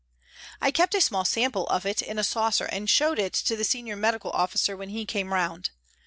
I kept a small sample of it in a saucer and showed it to the Senior Medical Officer when he came round.